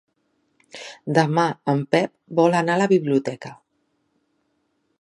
Demà en Pep vol anar a la biblioteca.